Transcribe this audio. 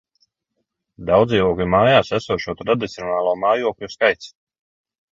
Daudzdzīvokļu mājās esošo tradicionālo mājokļu skaits